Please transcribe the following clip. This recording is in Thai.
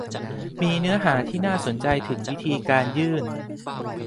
มีเนื้อหาที่น่าสนใจถึงวิธีการยื่น